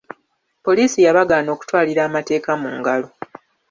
Poliisi yabagaana okutwalira amateeka mu ngalo.